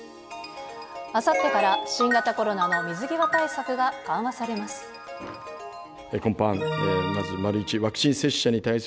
あさってから、新型コロナの水際対策が緩和されます。